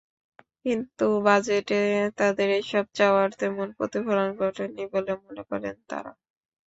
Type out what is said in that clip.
কিন্তু বাজেটে তাঁদের এসব চাওয়ার তেমন প্রতিফলন ঘটেনি বলে মনে করেন তাঁরা।